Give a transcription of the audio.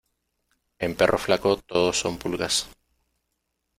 En perro flaco todo son pulgas.